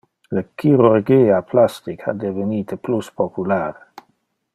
Le chirurgia plastic ha devenite plus popular.